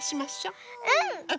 うん！